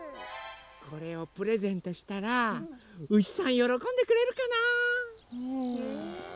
これをプレゼントしたらうしさんよろこんでくれるかな？